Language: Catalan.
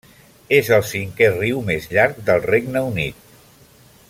És el cinquè riu més llarg del Regne Unit.